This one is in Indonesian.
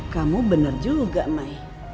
kamu bener juga mai